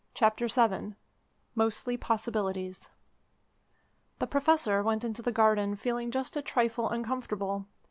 CHAPTER VII MOSTLY POSSIBILITIES The Professor went into the garden feeling just a trifle uncomfortable.